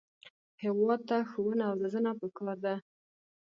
هېواد ته ښوونه او روزنه پکار ده